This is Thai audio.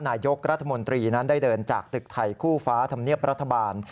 นายกรัฐมนตรีนั้นได้เดินจากตึกไทยคู่ฟ้าธรรมเนียบรัฐบาล